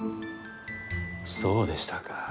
そうでしたか。